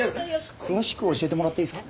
詳しく教えてもらっていいですか？